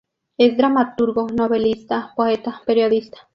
Es dramaturgo, novelista, poeta, periodista.